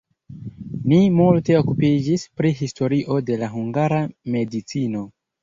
Li multe okupiĝis pri historio de la hungara medicino.